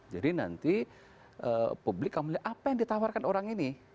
jadi nanti publik akan melihat apa yang ditawarkan orang ini